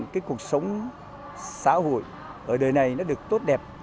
cái cuộc sống xã hội ở đời này nó được tốt đẹp